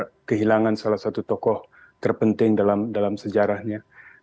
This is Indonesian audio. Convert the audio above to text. saya kehilangan salah satu tokoh terpenting dalam sejarahnya